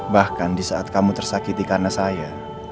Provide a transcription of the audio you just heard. bahkan disaat kamu tersakiti karena saya